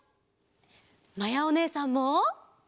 まやおねえさんも！